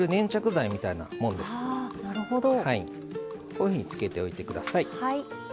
こういうふうにつけておいて下さい。